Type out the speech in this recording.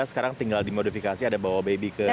sekarang tinggal dimodifikasi ada bawa baby ke